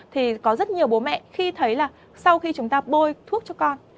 thì có rất nhiều bố mẹ khi thấy là sau khi chúng ta bôi thuốc cho con